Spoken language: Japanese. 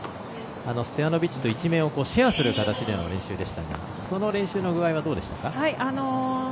ストヤノビッチと１面をシェアする形での練習でしたがその練習の具合はどうですか。